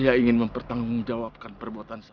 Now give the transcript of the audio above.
saya ingin mempertanggung jawabkan perbuatan saya